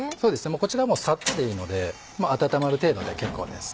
こちらはさっとでいいので温まる程度で結構です。